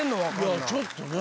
いやちょっとね